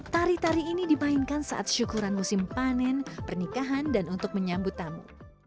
tari tari ini dimainkan saat syukuran musim panen pernikahan dan untuk menyambut tamu